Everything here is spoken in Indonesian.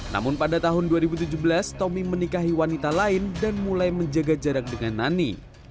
namun pada tahun dua ribu tujuh belas tommy menikahi wanita lain dan mulai menjaga jarak dengan nani